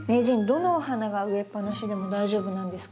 どのお花が植えっぱなしでも大丈夫なんですか？